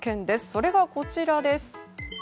それがこちらです。